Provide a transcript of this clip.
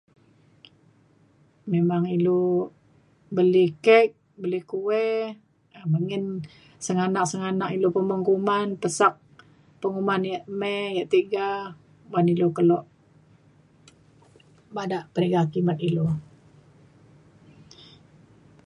Memang ilu beli cake beli kuih um menggin sengganak sengganak ilu pemung kuman pesak penguman yak mei yak tiga ban ilu kelo bada peniga kimet ilu.